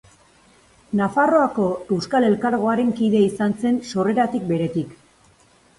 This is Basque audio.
Nafarroako Euskal Elkargoaren kidea izan zen sorreratik beretik.